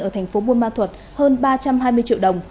ở tp buôn ma thuật hơn ba trăm hai mươi triệu đồng